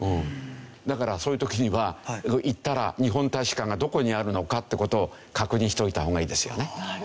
だからそういう時には行ったら日本大使館がどこにあるのかって事を確認しておいた方がいいですよね。